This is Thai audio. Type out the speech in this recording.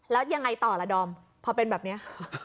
แล้วยังไงต่อล่ะดอมพอเป็นแบบนี้